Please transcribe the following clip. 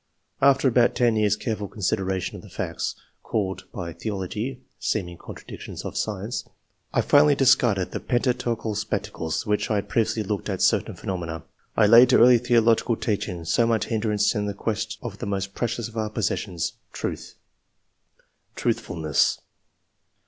''After about ten y^»rtr^ (Uiri'ful ('jfrnuh^rnHfm of the facts^ called 11.] QUALITIES. 141 by theology * seeming contradictions of science/ I finally discarded the pentateuchal spectacles through which I had previously looked at cer tain phenomena. I lay to early theological teaching so much hindrance in the quest of the most precious of our possessions — truth." TRUTHFULNESS.